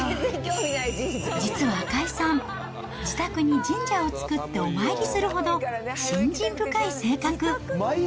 実は赤井さん、自宅に神社を作ってお参りするほど、信心深い性格。